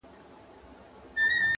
سلامي سول که امیرکه اردلیان وه-